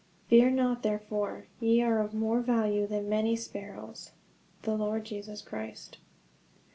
... Fear not therefore: ye are of more value than many sparrows." _The Lord Jesus Christ.